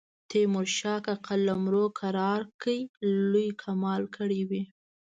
تیمورشاه که قلمرو کرار کړ لوی کمال کړی وي.